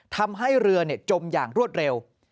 ทำให้เรือจมอย่างรวดเร็ว